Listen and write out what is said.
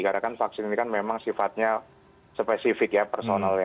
karena kan vaksin ini memang sifatnya spesifik personal